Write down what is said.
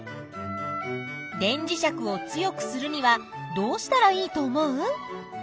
電磁石を強くするにはどうしたらいいと思う？